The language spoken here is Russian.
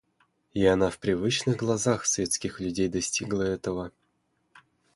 И она в привычных глазах светских людей достигала этого.